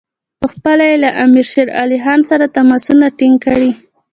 پخپله یې له امیر شېر علي سره تماسونه ټینګ کړي.